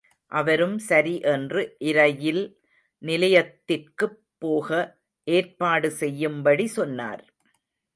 அவரும் சரி என்று இரயில் நிலையத்திற்குப் போக ஏற்பாடு செய்யும்படி சொன்னார்.